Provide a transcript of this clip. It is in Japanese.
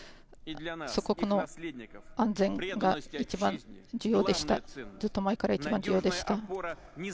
祖国の安全が一番重要でした、ずっと前から一番重要でした。